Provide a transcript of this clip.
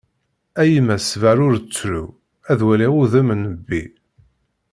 A yemma sber ur ttru, ad waliɣ udem n Nnbi.